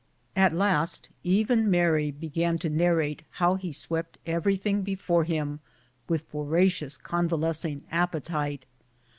At last, even Mary began to narrate how he swept everything before him with voracious, convalescing appetite.